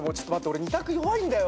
俺２択弱いんだよ